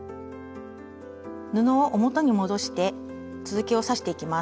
布を表に戻して続きを刺していきます。